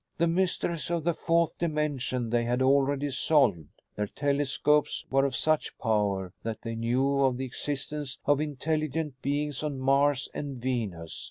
The mysteries of the Fourth Dimension they had already solved. Their telescopes were of such power that they knew of the existence of intelligent beings on Mars and Venus.